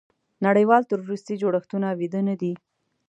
نړیوال تروریستي جوړښتونه ویده نه دي.